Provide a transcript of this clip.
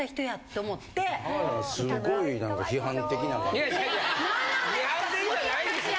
批判的じゃないですよ。